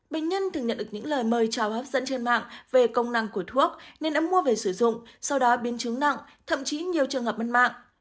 bệnh nhân thường nhận được những lời mời chào hấp dẫn trên mạng về công năng của thuốc nên đã mua về sử dụng sau đó biến chứng nặng thậm chí nhiều trường hợp mất mạng